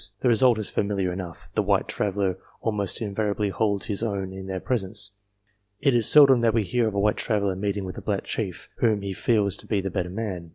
The result is familiar enough the white traveller almost invariably holds his own in their presence. It is seldom that we hear of a white traveller meeting with a black chief whom he feels to be 328 THE COMPARATIVE WORTH the better man.